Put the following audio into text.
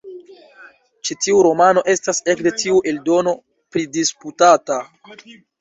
Ĉi tiu romano estas ekde tiu eldono pridisputata.